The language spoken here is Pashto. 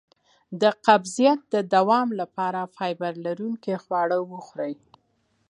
د قبضیت د دوام لپاره فایبر لرونکي خواړه وخورئ